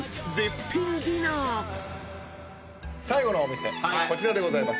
最後のお店こちらでございます。